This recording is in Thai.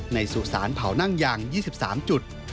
ในสู่ศาลเผานั่งยาง๒๓จุด